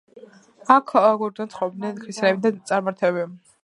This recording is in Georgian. აქ გვერდიგვერდ ცხოვრობდნენ ქრისტიანები და წარმართები.